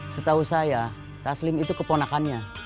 setahu saya taslim itu keponakannya